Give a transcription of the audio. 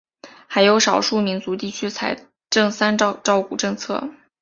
还有少数民族地区财政三照顾政策。